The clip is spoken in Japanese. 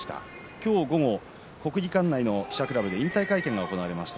今日、午後、国技館の記者クラブで引退会見が行われました。